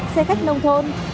xe khách nông thôn